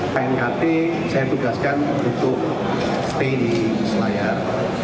knkt saya tugaskan untuk stay di selayar